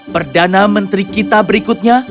perdana menteri kita berikutnya